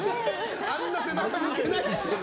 あんな背中向けないですけどね。